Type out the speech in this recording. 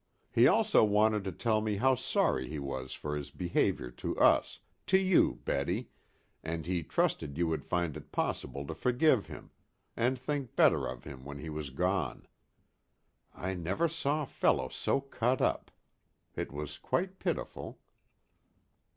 He also wanted to tell me how sorry he was for his behavior to us, to you, Betty, and he trusted you would find it possible to forgive him, and think better of him when he was gone. I never saw a fellow so cut up. It was quite pitiful."